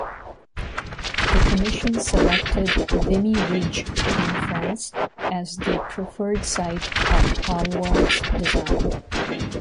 The commission selected Vimy Ridge in France as the preferred site of Allward's design.